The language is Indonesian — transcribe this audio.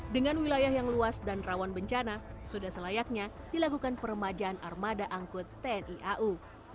dengan wilayah yang luas dan rawan bencana sudah selayaknya dilakukan peremajaan armada angkut tni au